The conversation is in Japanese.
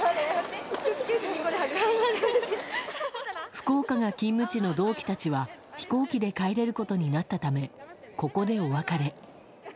福岡が勤務地の同期たちは飛行機で帰れることになったためここでお別れ。